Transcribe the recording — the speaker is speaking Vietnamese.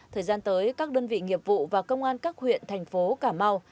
thời gian tới các đơn vị nghiệp vụ và công an các huyện thành phố cà mau